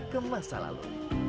ke masa lalu